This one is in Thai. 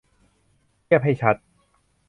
เทียบให้ชัด